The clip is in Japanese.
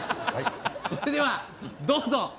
それではどうぞ！